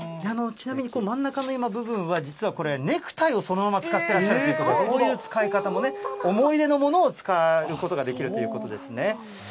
ちなみに真ん中の部分は、実はこれ、ネクタイをそのまま使ってらっしゃるということで、こういう使い方も、思い出のものを使うということができるということですね。